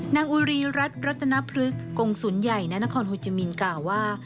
อุรีรัฐรัตนพฤกษ์กงศูนย์ใหญ่นานครโฮจามินกล่าวว่า